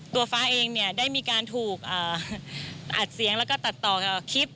ฟ้าเองเนี่ยได้มีการถูกอัดเสียงแล้วก็ตัดต่อกับคลิป